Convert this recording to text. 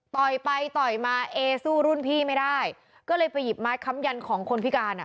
ต่อยไปต่อยมาเอสู้รุ่นพี่ไม่ได้ก็เลยไปหยิบไม้ค้ำยันของคนพิการอ่ะ